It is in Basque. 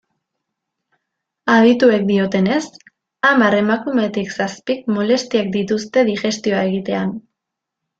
Adituek diotenez, hamar emakumetik zazpik molestiak dituzte digestioa egitean.